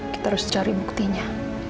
kita harus cari buktinya